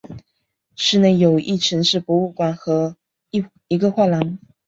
市内有一城市博物馆和一个画廊。